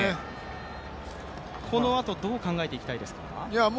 このあと、どう考えていきたいですか？